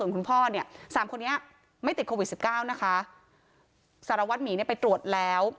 คุณพ่อสามคนนี้ไม่ติดโควิด๑๙นะคะสารวัติหมีไปตรวจแล้ว